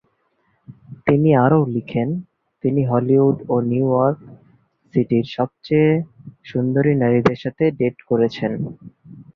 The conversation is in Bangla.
তিনি আরও লিখেন, "তিনি হলিউড ও নিউ ইয়র্ক সিটির সবচেয়ে সুন্দরী নারীদের সাথে ডেট করেছেন।"